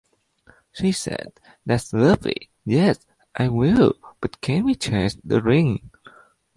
She said: 'That's lovely, yes, I will - but can we change the ring?